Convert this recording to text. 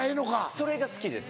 それが好きです。